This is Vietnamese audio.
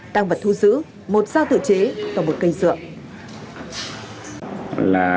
tăng vật thu giữ một dao tự chế và một cây dựa